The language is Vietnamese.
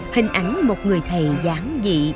hình ảnh một người thầy giảng dị